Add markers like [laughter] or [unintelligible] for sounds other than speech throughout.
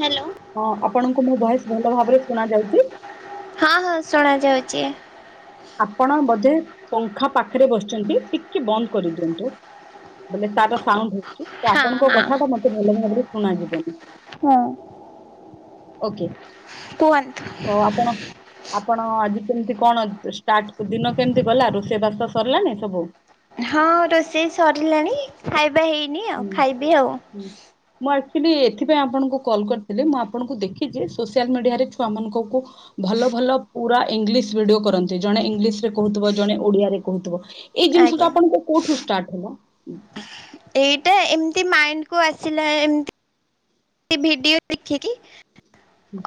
Hello. ହଁ ଆପଣଙ୍କୁ ମୋ ଭଏସ ଭଲ ଭାବରେ ଶୁଣା ଯାଉଚି? ହଁ ହଁ ଶୁଣା ଯାଉଚି । ଆପଣ ବୋଧେ ପଙ୍ଖା ପାଖରେ ବସିଚନ୍ତି ଟିକେ ବନ୍ଦ କରିଦିଅନ୍ତୁ ବୋଲେ ତାର ସାଉଣ୍ଡ ହ ଚି ତ ହଁ ଆପଣଙ୍କ କଥା ଟା ମତେ ଭଲ ଭାବରେ ଶୁଣାଯିବନି। ହଁ। ଓକେ। ତ ଆପଣ କୁହନ୍ତୁ। ଆପଣ ଆଜି କେମତି କଣ ଷ୍ଟାର୍ଟ ଦିନ କେମିତି ଗଲା ରୋଷେଇ ବାସ ସରିଲାଣି ସବୁ। ହଁ ରୋଷେଇ ସରିଲାଣି। ଏବେ ହେଇନି ଆଉ ହୁଁ। ଖାଇବି ଆଉ। ହୁଁ। [unintelligible] ଏଥିପାଇଁ ଆପଣଙ୍କୁ କଲ କରିଥିଲି ମୁଁ ଆପଣଙ୍କୁ ଦେଖିଚି ସୋସିଆଲ ମିଡିଆରେ ଛୁଆ ମାନଙ୍କୁ ଭଲ ଭଲ ପୁରା ଇଂଲିଶ ଭିଡିଓ କରନ୍ତି ଜଣେ ଇଙ୍ଗଲିଶ ରେ କହୁଥୁବ ଜଣେ ଓଡିଆରେ କହୁଥୁବ। ଏଇ ଜିନିଷ ଟା ଆଜ୍ଞା ଆପଣଙ୍କ କୋଉଠୁ ଷ୍ଟାର୍ଟ ହେଲା। ଏଇଟା ଏମିତି ମାଇଣ୍ଡ କୁ ଆସିଲା ଏମତି। ଭିଡିଓ ଦେଖି କିି।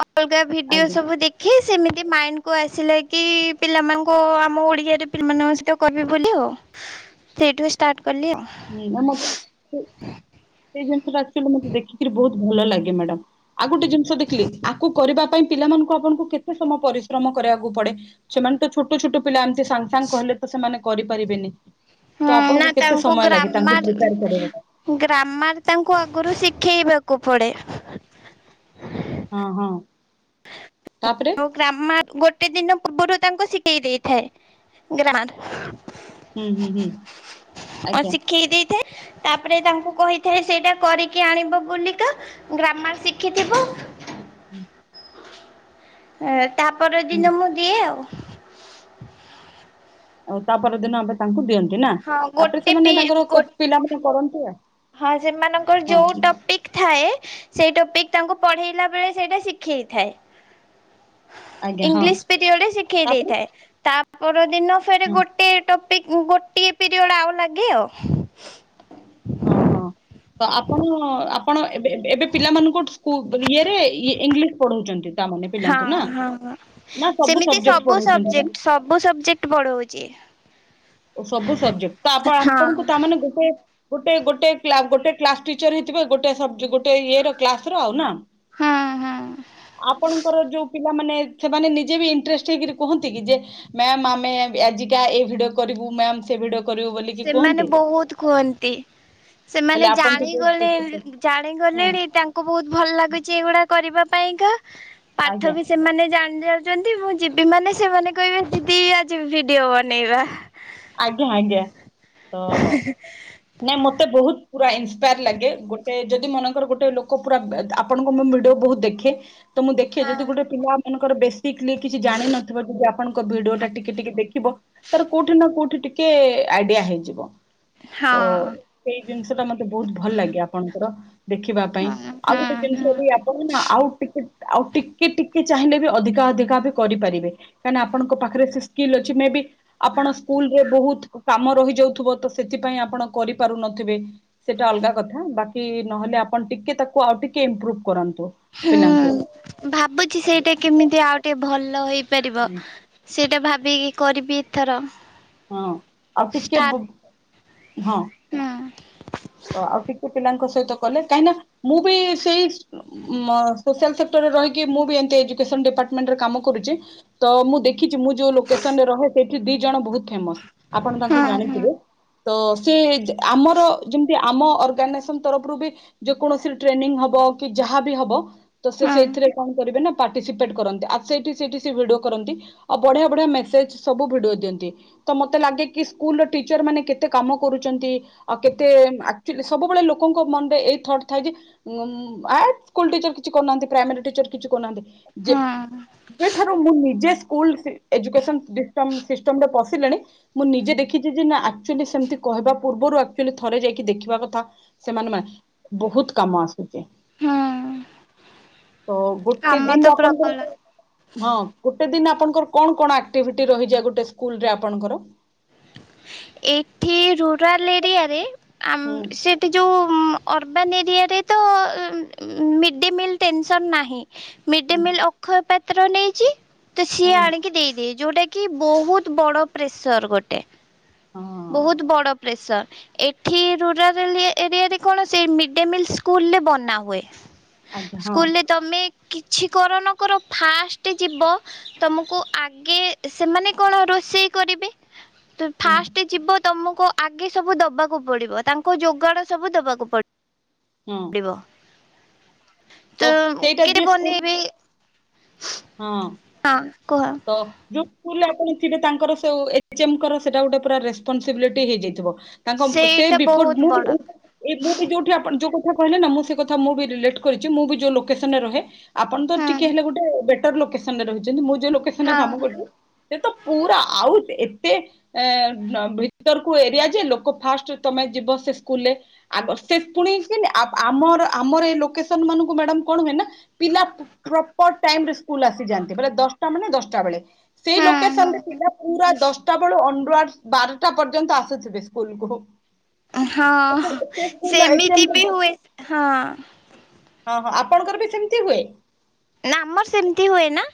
ଅଲଗା ଭିଡିଓ ଆଜ୍ଞା ସବୁ ଦେଖେ ସେମି ମାଇଣ୍ଡକୁ ଆସିଲା କି ପିଲାମାନଙ୍କୁ ଆମ ଓଡ଼ିଆରେ ପିଲାମାନଙ୍କ ସହିତ କହିବି ବୋଲି ଆଉ ସେଇଠୁ ଷ୍ଟାର୍ଟ। କଲି ଆଉ ହୁଁ। [unintelligible] [unintelligible] [unintelligible] ମତେ ଦେଖିକିରି ବହୁତ ଭଲ ଲାଗେ ମ୍ୟାଡାମ ଆଉ ଗୋଟେ ଜିନିଷ ଦେଖିଲି ଆକୁ କରିବା ପାଇଁ ପିଲାମାନଙ୍କୁ ଆପଣଙ୍କୁ କେତେ ସମୟ ପରିଶ୍ରମ କରିବାକୁ ପଡେ। ସେମାନେ ତ ଛୋଟ ଛୋଟ ପିଲା ଏମ ସାଙ୍ଗ ସାଙ୍ଗ କହିଲେ ତ ସେମାନେ। କରିପାରିବେନି। ତ ଆପଣଙ୍କୁ କେତେ ସ ଗ୍ରାମର ଗ୍ରାମାର ତାଙ୍କୁ ଆଗରୁ ଶିଖ ଶିଖେଇବାକୁ ପଡେ। ହଁ ହଁ। ତାପରେ ଆଉ ଗ୍ରାମର ଗୋ ଗୋଟେ ଦିନ ପୂର୍ବରୁ ତାଙ୍କୁ ଶିଖେଇ ଦେଇଥାଏ ହୁଁ ହୁଁ ଗ୍ରାମାର। ହୁଁ ଆ ଆଜ୍ଞା ଶିଖେଇ ଦେଇଥାଏ। ତାପରେ ତାଙ୍କୁ କହିଥାଏ ସେଇଟା କରିକି ଆଣିବ ବୁଲିକା ଗ୍ରାମର ଶିଖିଥିବ। ଏ। ତା ପର ହୁଁ ଦିନ ମୁଁ ଦିଏ ଆଉ। ଆଉ ତା ପରଦିନ ଆମେ ତାଙ୍କୁ ଦିଅନ୍ତି ନା ହଁ ତାପରେ ଗୋଟେ ପି ସେମାନେ ଗୋ ତାଙ୍କର ପିଲାମାନେ କରନ୍ତି ଆଉ। ହଁ ସେମାନଙ୍କର ଯୋଉ ହଁ ଟପିକ ଥାଏ। ସେଇ ଟପିକ ତାଙ୍କୁ ପଢ଼େଇଲା ବେଳେ ସେଇଟା ଶିଖେଇଥାଏ। ଆଜ୍ଞା ହଁ ଇଂଲିଶ ପିରିୟଡରେ ଶିଖେଇ ତାପରେ ଦେଇଥାଏ ତା। ଦିନ ଫେରେ ହଁ ଗୋଟେ ଟ ଗୋଟିଏ ପିରିୟଡ ଆଉ ଲାଗେ ଆଉ। ହଁ ହଁ ତ ଆପଣ ଆପଣ ଏବେ ଏବେ ପିଲାମାନଙ୍କୁ ଇଏରେ ଇଂଲିଶ ପଢଉଛନ୍ତି। ତାମାନେ ହଁ ପିଲାଙ୍କୁ ନା ହଁ ନା ସବୁ ସେମିତି ସବଜେକ୍ଟ ସବୁ ପଢଉଛନ୍ତି ମ୍ୟାମ୍ ସବଜେକ୍ଟ ସବୁ ସବଜେକ୍ଟ ପଢଉଛି। ଓ ସବୁ ସବଜେକ୍ଟ ତ ଆପଣ ହଁ। ଆପଣଙ୍କୁ ତାମାନେ ଗୋଟେ। ଗୋଟେ ଗୋଟେ ଗୋଟେ କ୍ଲାସ ଟିଚର ହେଇଥିବେ ଗୋଟେ ସ ଗୋଟ ଇଏ ର କ୍ଲାସ ର ଆଉ ନା। ହଁ ହଁ ଆପଣଙ୍କର ଯୋଉ ପି ପିଲାମାନେ ସେମାନେ ନିଯେ ବି ଇଣ୍ଟେଷ୍ଟ ହେଇକି କୁହନ୍ତି କି ଯେ ମ୍ୟାମ ଆମେ ଆଜିକା ଏ ଭିଡିଓ। କରିବୁ ମ୍ୟାମ୍ ସେ ବିୁଡ। ସେମାନେ ବହୁତ କୁହନ୍ତି ହେଲେ ସେମାନେ ଆପଣ ଜାଣିଗଲେ ଟିକେ ହଁ ଜାଣିଗଲେଣି ତାଙ୍କୁ ବହୁତ ଭଲ ଲାଗୁଛି ଏଇଗୁଡା କରିବା। ପାଇଙ୍କା। ପାଠ ଆଜ୍ଞା ବି ସେମାନେ ଜାଣ। ଯାଉଛନ୍ତି ମୁଁ ଯିବି ମାନେ ସେମାନେ କହିବେ ଦି ଦି ଆଜି ଭିଡିଓ ବନେଇବା। ଆଜ୍ଞା ଆଜ୍ଞା। ତ ନାଇଁ [unintelligible] ମତେ ବହୁତ ପୁରା ଏନସ୍ପାୟାର ଲାଗେ ଗୋଟେ ଯଦି ମନେକର ଗୋଟେ ଲୋକ ପୁରା ଆପଣଙ୍କ ମୁ ଭିଡିଓ ବହୁତ ଦେଖେ। ତ ମୁଁ ଦେଖେ ହଁ। ଯଦି ଗୋଟେ ପିଲା। ର ବେସିକ କିଛି ଜାଣିନିବ ଯଦି ଆପଣଙ୍କ ଭିଡିଓ ଟା ଟିକେ ଟିକେ ଦେଖିବ ତାର କୋଉଠି। କୋଉଠି ନା କୋଉଠି ଟିକେ ଆଇଡିଆ ହେଇଯିବ। ତ ହଁ ସେଇ ଜିନିଷ ଟା ମତେ ବହୁତ ଭଲ ଲାଗେ ଆପଣଙ୍କର। ଦେଖିବା ପାଇଁ ହଁ ଆଉ ଗୋଟେ ହଁ ଜିନିଷ ବି ଆପଣ ନା ଆଉ ଟିକେ। ଆଉ ଟିକେ ଟିକେ ଚାହିଁଲେ ବି ଅଧିକା ଅଧିକା ବି କରିପାରିବେ କାହିଁକି ଆପଣଙ୍କ ପାଖରେ ସେ ସ୍କିଲ୍ ଅଛି ମେ ବି ଆପଣ। ସ୍କୁଲରେ ବହୁତ କାମ ରହିଯାଉଥିବ ତ ସେଥିପାଇଁ ଆପଣ କରିପାରୁନଥିବେ ସେଟା ଅଲଗା କଥା ବାକି ନହେଲେ ଆପଣ ଟିକେ ତାକୁ ଆଉ ଟିକେ ଇମ୍ପ୍ରୁଭ। କରାନ୍ତୁ। ପିଲାଙ୍କୁ ହୁଁ ଭାବୁଛି ସେଇଟା କେମିତି ଆଉ ଟିକେ ଭଲ ହେଇ ପାରିବ ସେ। ସେଇଟା ଭାବିକି କରିବି ଏଥର। ହଁ ଆଉ ଟିକେ ଷ୍ଟାର୍ଟ ହଁ। ହୁଁ। ଆଉ ଟିକେ ପିଲାଙ୍କ ସହିତ କଲେ କାହିଁକିନା ମୁଁ ବି ସେଇ ସୋସିଆଲ ସେକ୍ଟରରେ ରହିକି ମୁଁ ବି ଏମିତି ଏଜୁକସନ ଡିପାର୍ଟମେଣ୍ଟରେ କାମ କରୁଛି ତ ମୁଁ ଦେଖିଛି ମୁଁ ଯୋଉ ଲୋକେସନ ରେ ରହେ ସେଇଠି ଦି ଜଣ ବହୁତ। ଫେମସ୍ ଆପଣ ତାଙ୍କୁ ହଁ ହଁ ଜାଣିଥିବେ। ତ ସେ। ଆମର। ଆମ ଅର୍ଗନେଶନ ତରଫରୁ ବି ଯେ କୌଣସି ଟ୍ରେନିଂ ହବ କି ଯାହା ବି ହବ ତ ସେ ହଁ ସେଇଥିରେ କଣ କରିବେ ନା ପଟିସିପେଟ କରନ୍ତି। ସେଠି ସେ ଭିଡିଓ କରନ୍ତି। ଆଉ ବଢିଆ ବଢିଆ ମେସେଜ ସବୁ ଭିଡିଓ ଦିଅନ୍ତି ।ତ ମତେ ଲାଗେ କି ସ୍କୁଲ ଟିଚର ମାନେ କେତେ କାମ କରୁଛନ୍ତି । କେତେ ଆଚୁଲି ସବୁବେଳେ ଲୋକଙ୍କ ମନରେ ଏଇ ଥଟ୍ ଥାଏ ଯେ ଆ ସ୍କୁଲ ଟିଚର କିଛି କରୁନାହାନ୍ତି ପ୍ରାଇମୋରୀ ଟିଚର କିଛି କରୁନାହାନ୍ତି। ଯେ ହଁ ବେ ଠା ମୁଁ ନିଜେ ସ୍କୁଲ ଏଯୁକେଶନ ଡିଟ ସିଷ୍ଟମ ରେ ପଶିଲେଣି ମୁଁ ନିଜେ ଦେଖିଛି ଯେ ନା ଆଚୁଲି ସେମିତି କହିବା ପୂର୍ବରୁ। ଥରେ ଯାଇକି ଦେଖିବା କଥା ସେମାନେ ବହୁତ କାମ ଆସୁଛେ। ହଁ ତ ଗୋଟେ କାମ ତ ଦିନ ପ୍ରବଳ ଆପଣଙ୍କର ହଁ ଗୋଟେ ଦିନ ଆ ଆପଣଙ୍କର କଣ କଣ ଆକ୍ଟିଭିଟି ରହିଛି ଗୋଟେ ସ୍କୁଲରେ ଆପଣଙ୍କର? ଏଠି ରୁରାଲ ଏରିଆରେ। ହୁଁ ଆମ ସେଠି ଯୋଉ। ଅର୍ବାନ୍ ଏରିଆରେ ତ ମିଡ଼ ଡେ ମିଲ୍ ଟେନସନ୍ ନାହିଁ। ମିଡ୍ ଡେ ହୁଁ ମିଲ୍ ଅକ୍ଷୟ ପ ପତ୍ର ନେଇଛି। ତ ସିଏ ହୁଁ ଆଣିକି ଦେଇଛି। ଯୋଉଟା କି ବହୁତ ବଡ ପ୍ରେସର ଗୋଟେ। ହଁ ବହୁତ ବଡ଼ ପ୍ରେସର ଏଠି ରୁରାଲ ଏରିଆରେ କଣ ସେ ମି ଡେ ମିଲ ସ୍କୁଲ ରେ ବନା ହୁଏ। ଆଜ୍ଞା ହଁ ସ୍କୁଲ ରେ ତମେ। କିଛି କର ନ କର ଫାଷ୍ଟ ଯିବ ତମକୁ ଆଗେ ସେମାନେ କଣ ରୋଷେଇ କରିବେ। ତ ହୁଁ ଫାଷ୍ଟ ତମକୁ ଆଗେ ସବୁ ଦବାକୁ ପଡିବ ତାଙ୍କୁ ଯୋଗାଣ ସବୁ ଦବାକୁ ପଡିବ ହଁ ପଡ଼ିବ। ତ ସେଇଟା କେ ଯିଏ ସ୍କୁଲ ବନେଇବେ ହଁ ହଁ କୁହ ତ ଯଉ ସ୍କୁଲରେ ଆପଣ ଥେ ତାଙ୍କର ସବ ଏଚେମ୍ପର ସେଇଟା ଗୋଟେ ପୁରା ରେସ୍ପନ୍ସିବିଲିଟି ହେ ହୋଇଯାଇଥିବ। ତାଙ୍କ ସେ ସେଇଟା ବିଫୋର ବହୁତ ମୁଁ ବଡ ବି ମୁଁ ବି ଯୋଉଠି ଆପଣ ଯୋଉ କହିଲେ ନା ମୁଁ ସେ କଥା ମୁଁ ବି ରିଲେଟ କରିଛି ମୁଁ ଯୋଉ ଲୋକସନରେ ରହେ। ଆପଣ ତ ହୁଁ ଟିକେ ହେଲେ ଗୋଟେ ଲୋକେସନ ରହିଛନ୍ତି। ଯୋଉ ଲୋକେସନ ରେ ହଁ କାମ କରିବ ସେ ତ ପୁରା ଆଉ ଏତେ ଭିତରକୁ ଏରିଆ ଯେ ଲୋକ ଫାଷ୍ଟ ତମେ ଯିବ ସେ ସ୍କୁଲରେ ଆଗ ସେ ପୁଣି କି ଆମର ଆମର ଏ ଲୋକେସନ ମାନଙ୍କୁ ମ୍ୟାଡମ କଣ ହୁଏ ନା ପିଲା ପ୍ରପର ଟାଇମରେ ସ୍କୁଲ ଆସିଯାଆନ୍ତି ବଲେ ଦଶଟା ମେଳେ ନା ଦଶା ବେଳେ। ସେଇ ହୁଁ ଲୋକେସନ ରେ ହୁଁ ଥିବା ପୁରା ଦଶଟା ବେଳୁ ବାରଟା ପର୍ଯ୍ୟନ୍ତ ଆସୁଥିବେ ସ୍କୁଲ କୁ। ହଁ ସେମିତି ଏଚଏମ୍, ବି ହଁ ହୁଏ, ହଁ। ତମ ଘରେ ସେମିତି ହୁଏ? ନା ଆମର ସେମିତି ହୁଏ ନା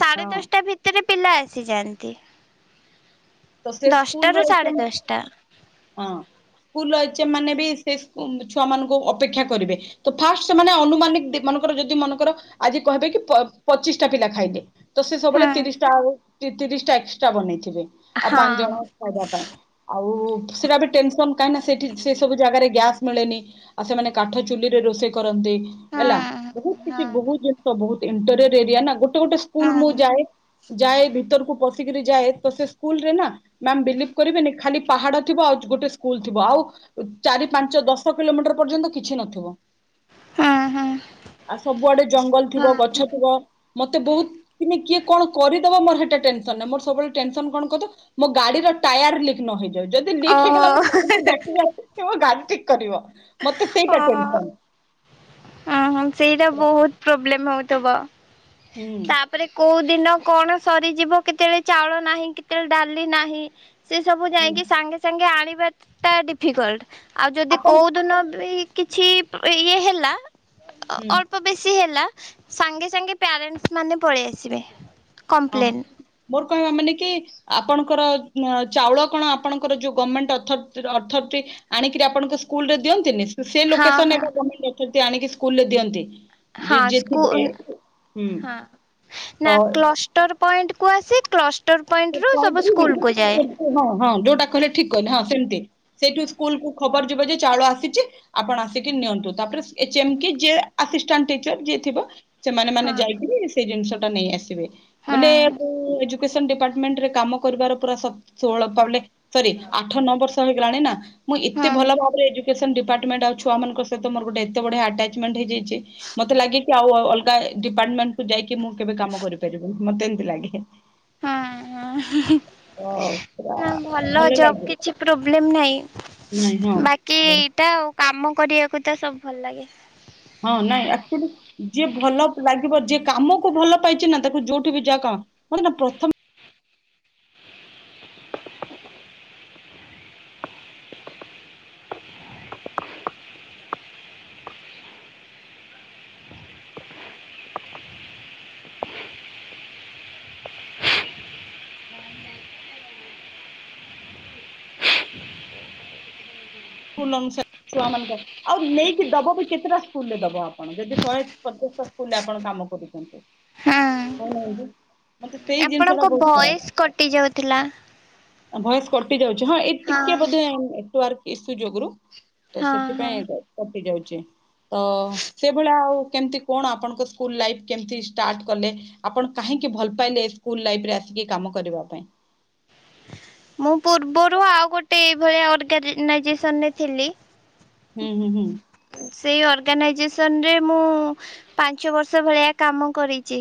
ସାଡେ ହଁ ଦଶଟା ଭିତରେ ପିଲା ଆସିଯାଆନ୍ତି। ତ ସେ ସ୍କୁଲ ର ଦଶଟାରୁ ସାଢେ ଦଶଟା ହଁ ସ୍କୁଲ ସେମାନେ ବି ସେ ଛୁଆ ମାନଙ୍କୁ ଅପେକ୍ଷା କରିବେ। ତ ଫାଷ୍ଟ ସେମାନେ ଅନୁମାନିକ ମନେକର ଯଦି ମନେକର ଆଜି କହିବେ କି ପଚିଶ ଟା ପିଲା ଖାଇଲେ ତ ସେ ସବୁବେଳେ ହୁଁ ତିରିଶ ଟା ଆ ଏକତିରିଶ ଟା ଏକ୍ସଟ୍ରା ବନେଇଥିବେ। ଆଉ ପାଞ୍ଚ ହଁ ଜଣ ଖାଇବା ପାଇଁ ଆଉ ସେଟା ବି ଟସନ କାହିଁ ନା ସେଠି ସେ ସବୁ ଜାଗାରେ ଗ୍ୟାସ ମିଳେନି, ଆଉ ସେମାନେ କାଠ ଚୁଲିରେ ରୋଷେଇ କର କରନ୍ତି ହେଲା ହଁ ବହୁତ କିଛି ହଁ ବହୁତ ଜିନିଷ ବହୁତ ଇଣ୍ଟରେଟ୍ ଏରିଆ ନା ଗୋଟେ ଗୋଟେ ଗୋଟେ ସ୍କୁଲ ମୁଁ ହଁ ଯାଏ ଯାଏ ଭିତରକୁ ପ କିରି ଯାଏ ତ ସେ ସ୍କୁଲରେ ନା ମ୍ୟାମ ବିଲିଭ କରିବେନି ଖାଲି ପାହାଡ ଥିବ ଆଉ ଗୋଟେ ସ୍କୁଲ ଥିବ ଆଉ ଚାରି ପାଞ୍ଚ ଦଶ କିଲୋମିଟର ପର୍ଯ୍ୟନ୍ତ କିଛି ନଥିବ। ହଁ ହଁ। ଆଉ ସବୁଆଡେ ଜଙ୍ଗଲ ଥିବ, ଗଛ ଥିବ ମତେ ବହୁତ କିନି କିଏ କଣ କରିଦବ ମୋର ସେଇଟା ଟେନସନ ନା ମୋର ସବୁବେଳେ ଟେନସନ କଣ ମୋ ଗାଡିର ଟାୟାର ଲିକ୍ ନହେଇଯାଉ। ଯଦି ଲିକ ହେଇଗଲା ଓହୋ ମୁଁ କାହାକୁ ଡାକିବି ସେ ମୋ ଗାଡି ସଜାଡ଼ିବ। ଠିକ୍ କରିବ। ମତେ ସେଇଟା ଓହୋ, ଟେନସନ ହଁ ହଁ ସେଇଟା ବହୁତ ପ୍ରୋବ୍ଲେମ ହଉ ଥିବ ହୁଁ । ତାପରେ କୋଉ ଦିନ କଣ ସରିଯିବ କେତେବେଳେ ଚାଉଳ ନାହିଁ କେତେବେଳେ ଡାଲି ନାହିଁ। ସେ ସବୁ ହୁଁ ଯାଇକି ସାଙ୍ଗେ ସାଙ୍ଗେ ଆଣି ଟା ଡିଫିକଲ୍ଟ। ଆଉ ଯଦି ଆପଣ କୋଉ କିଛି ଇଏ ହେଲା। ହୁଁ ଅଳ୍ପ ବେଶୀ ହେଲା। ସାଙ୍ଗେ ସାଙ୍ଗେ ପ୍ୟାରେଣ୍ଟସ୍ ମାନେ ପଳେଇ ଆସିବେ। ହଁ କମ୍ପ୍ଲେନ୍ ମୋର । କହିବା ମାନେ କି ଆପଣଙ୍କର ଚାଉଳ କଣ ଆପଣଙ୍କର ଯୋଉ ଗଭମେଣ୍ଟ ଅଥରିଟି ଆଣିକରି ଆପଣଙ୍କ ସ୍କୁଲ ରେ ଦିଅନ୍ତିନି? ସେ ହଁ ଲୋକେସନ ହଁ ଏବେ [unintelligible] ଆଣିକି ସ୍କୁଲରେ ଦିଅନ୍ତି। ଯେ ହଁ ଯିଏ ସ୍କୁ ଥିବେ ହୁଁ ହଁ ନା କ୍ଲସ୍ ଟର୍ ପଏଣ୍ଟକୁ ଆସି କ୍ଲସ୍ ସେ ପଏଣ୍ଟରୁ [unintelligible] ହଁ ହଁ ଯୋଉଟା। କହିଲେ ଠିକ କହିଲେ ହଁ ସେମତି ସେଇଠୁ ସ୍କୁଲକୁ ଖବର ଯିବ ଯେ ଚାଉଳ ଆସିଚି ଆପଣ ଆସିକି ନିଅନ୍ତୁ। ତାପରେ ସ୍ ଏଚ୍ ଏମ୍ କି ଆସିଷ୍ଟାଣ୍ଟ ଟିରର ଯିଏ ଥିବ। ସେମାନେ ମାନେ ହଁ ଯାଇକିରି ସେଇ ଜିନିଷ ନେଇ ଆସିବେ। ବଲେ ହଁ କୋଉ ଏଜୁ- କେସେମ୍ ଡିପାଟ୍ ସେଣ୍ଟରରେ କାମ କରିବାର ପୁରା ସ ଷୋଳ ପାଉନେ ସରି ଆଠ ନଅ ବର୍ଷ ହେଇଗଲାଣି ନାଁ ମୁଁ ଏତେ ହଁ ଭଲ ଭାବରେ ଏଜୁକେସନ୍ ଡିପ୍ ପାଟମେଣ୍ଟ୍ ଆଉ ଛୁଆମାନଙ୍କର ସହିତ ମୋର ଗୋଟେ ଏତେ ବଢ଼ିଆ ଆଟଚମେଣ୍ଟ ହେଇଯାଇଛି ମତେ ଲାଗେ କି ଆଉ ଅଲଗା ଡିପାର୍ଟମେଣ୍ଟ ଯାଇକି ମୁଁ କେବେ କାମ କରିପାରିବନି। ମତେ ଏମିତି ଲାଗେ। ହଁ ହଁ ଅ ପୁରା ନାଁ ଭଲ ଜବ କିଛି ପ୍ରୋବ୍ଲେମ ନାଇଁ ହଁ ନାହିଁ ବାକି ବଢି ଏଇଟା ଆଉ କାମ। କରିବାକୁ ତ ସବୁ ଭଲ ଲାଗେ। ହଁ [unintelligible] ଯିଏ ଭଲ ପିଲା। ଥିବ ଯିଏ କାମକୁ ଭଲ ପାଇଚି ନା ତାକୁ ଯୋଉଠି ବି ଯାହା କଁ ପୁଣି ନାଁ ପ୍ରଥ କୁଲ୍ ଅନୁସାରେ ଛୁଆମାନଙ୍କ ଆଉ ନେଇକି ଦବ ବି କେତେଟା ସ୍କୁଲରେ ଦବ ଆପଣ ଯଦି ଶହେ ପଚାଶଟା ସ୍କୁଲରେ ଆପଣ କାମ କରୁଚନ୍ତି ହଁ କୋହୁନାହାନ୍ତି ମତେ। ସେଇ ଜିନିଷ ଟା ଆପଣଙ୍କ ବହୁତ ଭଏସ କଟି ଯାଉଥିଲା। ଅ ଭଏସ କଟି ଯାଉ ହଁ ଏଇ ଟିକେ ବୋଧେ ନେଟୱାର୍କ। ଏ ସୁଯୋଗରୁୁ। ତ ହଁ ହଁ। ସେଥିପାଇଁ ଏକା କଟି ଯାଉ ଚି। ତ ସେଭଳିଆ ଆଉ କେମତି କଣ ଆପଣଙ୍କ ସ୍କୁଲ୍ ଲାଇପ୍ କେମତି ଷ୍ଟାଟ୍ କଲେ? ଆପଣ କାହିଁକି ଭଲ ପାଇଲେ ସ୍କୁଲ ଲାଇପରେ ଆସିକି ଏ କାମ କରିବା ପାଇଁ? ମୁଁ ପୂର୍ବରୁ ଆଉ ଗୋଟେ ଏଇ ଭଳିଆ ଅର୍ଗାନାଇଜେସନରେ ଥିଲି। ହୁଁ ହୁଁ ହୁଁ। ସେଇ ଅର୍ଗାନାଇଜେସନରେ ମୁଁ ପାଞ୍ଚ ବର୍ଷ ଭଳିଆ କାମ କରିଚି।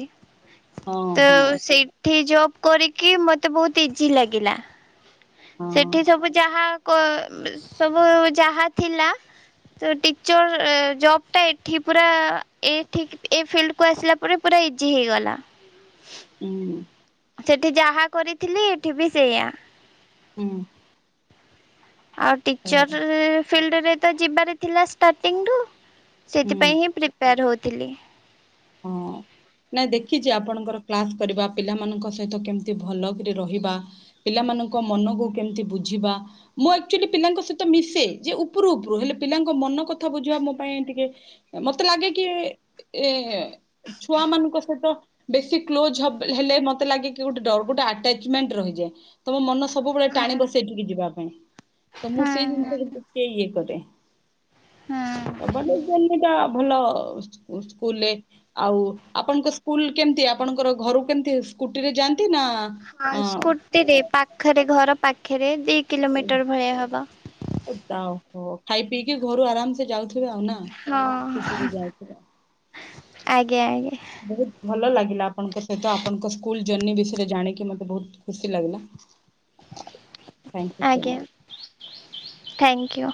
ହଁ ତ ହଁ ସେଇଠି ଯୋଉ କରିକି ମତେ ବୋହୁତ ଇଜି ଲାଗିଲା। ହଁ ସେଠି ସବୁ ଯାହା କ ସବୁ ଯାହା ଥିଲା ତ ଟିଚର ଜବ୍ ଟା ଏଠି ପୁରା ଏଠିକି ଫିଲ୍ଡକୁ ଆସିଲା ପରେ ପୁରା ଇଜି ହେଇଗଲା। ଓ। ସେଠି ଯାହା କରିଥିଲି ଏଠି ବି ସେଇଆ। ହୁଁ। ଆଉ ହଁ ଟିଚରରେ। ଫିଲ୍ଡରେ ତ ଯିବାର ଥିଲା ଷ୍ଟାର୍ଟିଂରୁ। ହୁଁ। ସେଥିପାଇଁ ହିଁ ପ୍ରିପେୟାର ହଉଛି। ଲି। ହଁ ନାଇଁ ଦେଖିଛି ଆପଣଙ୍କର କ୍ଲାସ କରିବା ପିଲାମାନଙ୍କ ସହିତ କେମିତି ଭଲକି ରହିବା ପିଲାମାନଙ୍କ ମନକୁ କେମତି ବୁଝିବା ମୁଁ ଆଚୁଆଲି ପିଲାଙ୍କ ସହିତ ମିଶେ ଯେ ଉପରୁ ଉପରୁ ହେଲେ ପିଲାଙ୍କ ମନ କଥା ବୁଝିବା ମୋ ପାଇଁ ଟିକେ ମତେ ଲାଗେ କି ଏ। ଛୁଆ ମାନଙ୍କ ସହିତ ବେଶୀ କ୍ଲୋଜ ହେଲେ ମତେ ଲାଗେ କି ଗୋଟେଡ ଗୋଟେ ଆଟାଚମେଣ୍ଟ ରହିଯାଏ। ତମ ମନ ସବୁବେଳେ ହୁଁ ଟାଣିବ ସେଇଠିକି ଯିବା ପାଇଁ ତ ମୁଁ ସେଇ ହୁଁ ଜିନିଷକୁ ଟିକେ ଇଏ କରେ। ତ ହଁ ବ ତ [unintelligible] ଭଲ ସ୍କୁଲରେ। ଆଉ ଆପଣଙ୍କ ସ୍କୁଲ କେମିତି ଆପଣଙ୍କର ଘରୁ କେମିତି ସ୍କୁଟି ରେ ଯାଆନ୍ତି। ନା ହଁ ଅଁ, ସ୍କୁଟି ରେ ପାଖରେ ଘର ପାଖ ରେ ଦୁଇ କିଲୋମିଟର ଭଳିଆ ହେବ। ତାହୋ ଖାଇ ପିଇକି ଘରୁ ଆରାମସେ ଯାଉ ହଁ ଆଜ୍ଞା ଆଜ୍ଞା। ବହୁତ ଭଲ ଲାଗିଲା ଆପଣଙ୍କ ସହିତ ଆପଣଙ୍କ ସ୍କୁଲ ଜର୍ନ ବିଷୟରେ ଜାଣିକି ମତେ ବହୁତ ଖୁସି ଲାଗିଲା। ଥ୍ୟାଙ୍କ ୟୁ ସୋ ଆଜ୍ଞା ମଚ। Thank you.